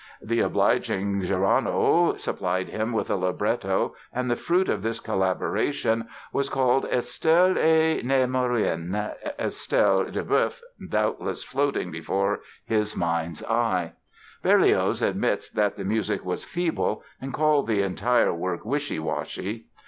The obliging Gerono supplied him with a libretto and the fruit of this collaboration was called "Estelle et Némorin," Estelle Duboeuf doubtless floating before his mind's eye. Berlioz admits that the music was "feeble" and called the entire work "wishy washy".